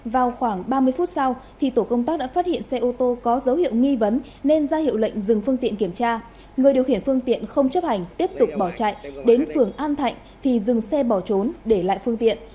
vào khoảng ba mươi phút sau tổ công tác đã phát hiện xe ô tô có dấu hiệu nghi vấn nên ra hiệu lệnh dừng phương tiện kiểm tra người điều khiển phương tiện không chấp hành tiếp tục bỏ chạy đến phường an thạnh thì dừng xe bỏ trốn để lại phương tiện